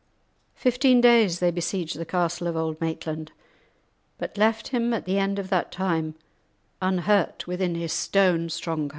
Fifteen days they besieged the castle of Auld Maitland, but left him at the end of that time unhurt within his stone stronghold.